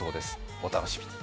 お楽しみに。